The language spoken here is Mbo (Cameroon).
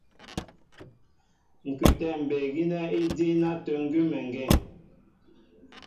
Ŋ̀kʉtɛ̌ mbey gínɛ́ i díín átə̂ ŋgʉ́meŋgeŋ.